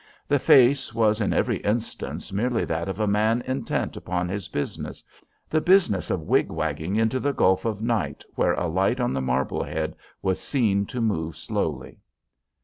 The face was in every instance merely that of a man intent upon his business, the business of wig wagging into the gulf of night where a light on the Marblehead was seen to move slowly.